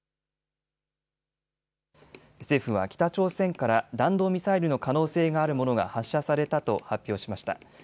政府は北朝鮮から弾道ミサイルの可能性があるものが発射されたと発表しました。